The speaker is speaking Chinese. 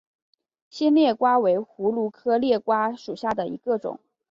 新裂瓜为葫芦科裂瓜属下的一个种。